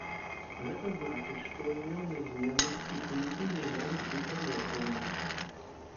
Гэта значыць, што імёны зменных і функцый не могуць быць аднолькавымі.